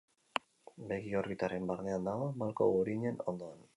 Begi-orbitaren barnean dago, malko-guruinen ondoan.